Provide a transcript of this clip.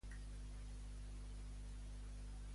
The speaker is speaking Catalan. On va néixer Victoria Szpunberg?